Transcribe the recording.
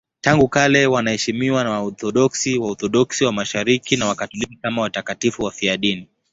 Tangu kale wanaheshimiwa na Waorthodoksi, Waorthodoksi wa Mashariki na Wakatoliki kama watakatifu wafiadini.